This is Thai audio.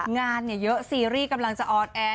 งานเยอะซีรีส์กำลังจะออนแอร์